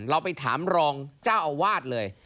เราไปถามรองเจ้าอาวาสเลย